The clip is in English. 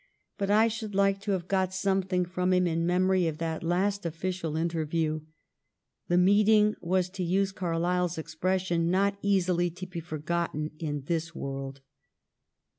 But I should like to have got something from him in memory of that last official interview. The meeting was, to use Carlyle's expression, not easily to be forgotten in this world.